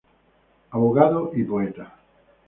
Abogado y poeta.